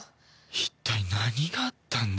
一体何があったんだ？